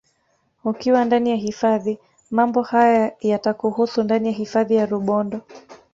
Ukiwa ndani ya hifadhi mambo haya yatakuhusu ndani ya hifadhi ya Rubondo